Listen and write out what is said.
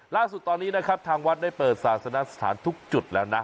ล่าสุดตอนนี้นะครับทางวัดได้เปิดศาสนสถานทุกจุดแล้วนะ